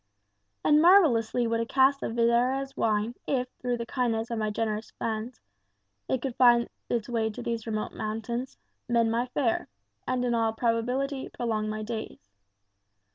And marvellously would a cask of Xerez wine, if, through the kindness of my generous friends, it could find its way to these remote mountains, mend my fare, and in all probability prolong my days.